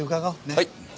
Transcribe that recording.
はい。